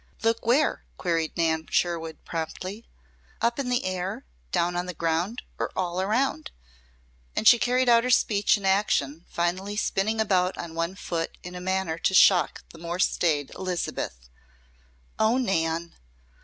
"Look where?" queried Nan Sherwood promptly. "Up in the air, down on the ground or all around?" and she carried out her speech in action, finally spinning about on one foot in a manner to shock the more staid Elizabeth. "Oh, Nan!"